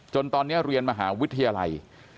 ตอนนี้เรียนมหาวิทยาลัย